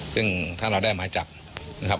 ซึ่งถ้าเราได้หมายจับนะครับ